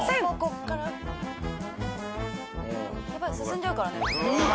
やばい進んじゃうからね。